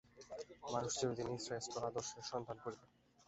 মানুষ চিরদিনই শ্রেষ্ঠ আদর্শের সন্ধান করিবে।